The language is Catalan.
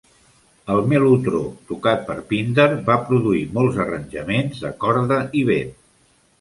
El melotró, tocat per Pinder, va produir molts arranjaments de corda i vent.